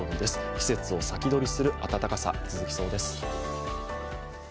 季節を先取りする暖かさ、続きそうです。